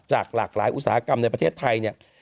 จากหลากหลายอุตสาหกรรมในประเทศไทย